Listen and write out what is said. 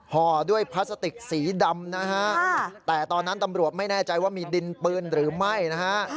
ห่อด้วยพลาสติกสีดำนะฮะแต่ตอนนั้นตำรวจไม่แน่ใจว่ามีดินปืนหรือไม่นะฮะ